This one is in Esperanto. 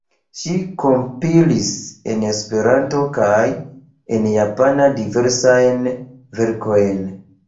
Ŝi kompilis en Esperanto kaj en japana diversajn verkojn.